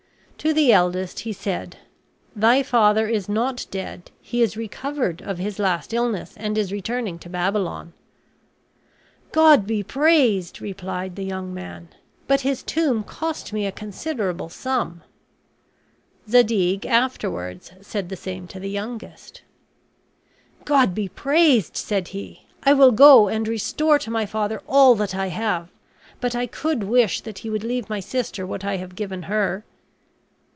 To the eldest he said: "Thy father is not dead; he is recovered of his last illness, and is returning to Babylon." "God be praised," replied the young man; "but his tomb cost me a considerable sum." Zadig afterwards said the same to the youngest. "God be praised," said he, "I will go and restore to my father all that I have; but I could wish that he would leave my sister what I have given her."